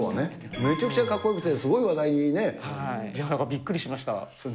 めちゃくちゃかっこよくて、すごい話題にね。びっくりしました。